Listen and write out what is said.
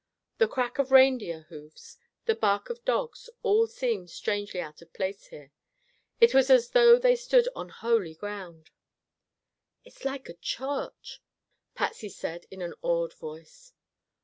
The crack of reindeer's hoofs, the bark of dogs, all seemed strangely out of place here. It was as though they stood on holy ground. "It's like a church," Patsy said in an awed voice.